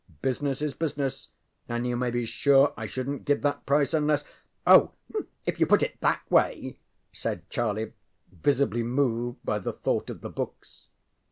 Business is business, and you may be sure I shouldnŌĆÖt give that price unless ŌĆØ ŌĆ£Oh, if you put it that way, ŌĆØ said Charlie, visibly moved by the thought of the books.